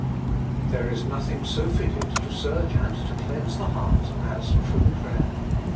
There is nothing so fitted to search and to cleanse the heart as true prayer.